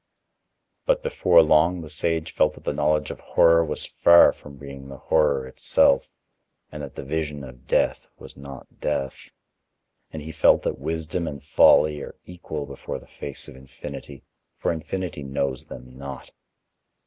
But before long the sage felt that the knowledge of horror was far from being the horror itself, and that the vision of Death, was not Death. And he felt that wisdom and folly are equal before the face of Infinity, for Infinity knows them not.